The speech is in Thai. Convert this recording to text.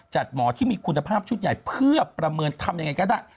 หมอที่มีคุณภาพชุดใหญ่เพื่อประเมินทำยังไงก็ได้